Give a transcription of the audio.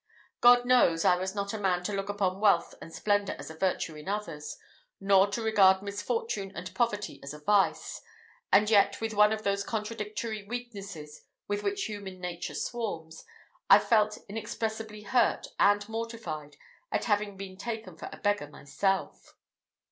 God knows, I was not a man to look upon wealth and splendour as a virtue in others, nor to regard misfortune and poverty as a vice; and yet, with one of those contradictory weaknesses with which human nature swarms, I felt inexpressibly hurt and mortified at having been taken for a beggar myself.